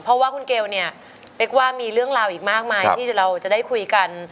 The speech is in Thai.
เพราะว่าคุณเกลเนี่ยเป๊กว่ามีเรื่องราวอีกมากมายที่เราจะได้คุยกัน